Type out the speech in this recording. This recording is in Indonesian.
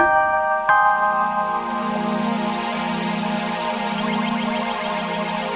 nunggu aja kan